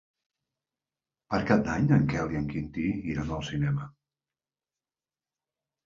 Per Cap d'Any en Quel i en Quintí iran al cinema.